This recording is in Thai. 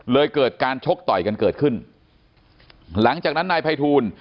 เกิดการชกต่อยกันเกิดขึ้นหลังจากนั้นนายภัยทูล